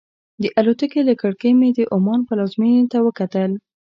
د الوتکې له کړکۍ مې د عمان پلازمېنې ته وکتل.